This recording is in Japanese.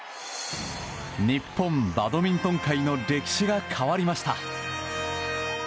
日本バドミントン界の歴史が変わりました。